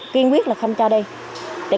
kiên quyết là không cho đi